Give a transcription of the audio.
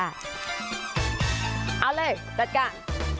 เอาเลยดัดกล้า